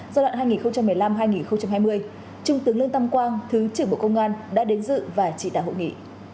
giai đoạn hai nghìn một mươi năm hai nghìn hai mươi trung tướng lương tâm quang thứ trưởng bộ công an đã đến dự và chỉ đạo hội nghị